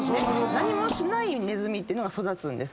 何もしないネズミってのが育つんです。